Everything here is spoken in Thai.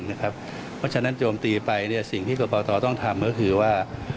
เพราะฉะนั้นโจมตีไปสิ่งที่กรกตต้องทำก็คือว่า